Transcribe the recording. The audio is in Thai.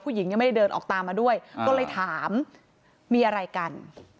ยังไม่ได้เดินออกตามมาด้วยก็เลยถามมีอะไรกัน